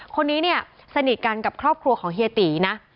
คนนี้เนี่ยสนิทกันกับครอบครัวของเฮียตีนะ